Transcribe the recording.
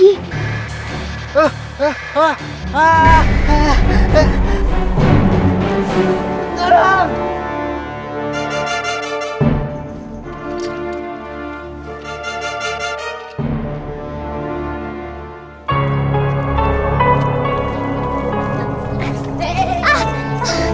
apa apaan ini terjadi lagi